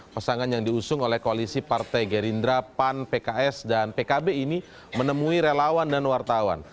pasangan yang diusung oleh koalisi partai gerindra pan pks dan pkb ini menemui relawan dan wartawan